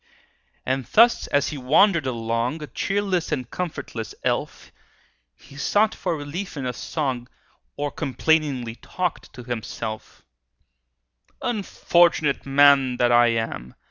And thus as he wandered along, A cheerless and comfortless elf, He sought for relief in a song, Or complainingly talked to himself:— "Unfortunate man that I am!